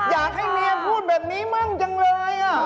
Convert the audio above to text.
อยากให้เมียพูดแบบนี้มั่งจังเลย